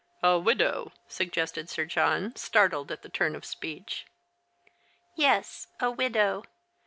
" A widow," suggested Sir John, startled at the turn of speech. "Yes, a widow.